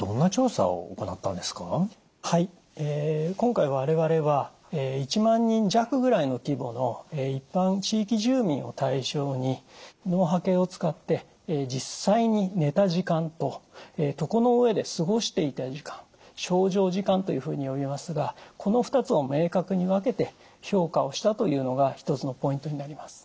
今回我々は１万人弱ぐらいの規模の一般地域住民を対象に脳波計を使って実際に寝た時間と床の上で過ごしていた時間床上時間というふうに呼びますがこの２つを明確に分けて評価をしたというのが一つのポイントになります。